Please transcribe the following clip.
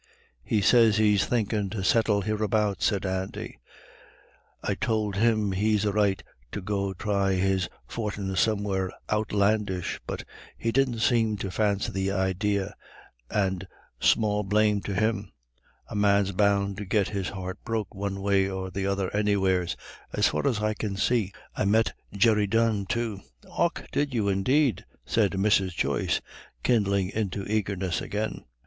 "He sez he's thinkin' to settle hereabouts," said Andy; "I tould him he'd a right to go thry his fortin somewhere outlandish, but he didn't seem to fancy the idee, and small blame to him. A man's bound to get his heart broke one way or the other anywheres, as far as I can see. I met Jerry Dunne too." "Och and did you indeed?" said Mrs. Joyce, kindling into eagerness again.